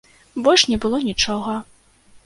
Больш не было нічога.